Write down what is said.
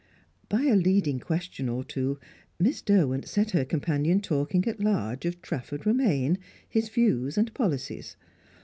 By a leading question or two, Miss Derwent set her companion talking at large of Trafford Romaine, his views and policies.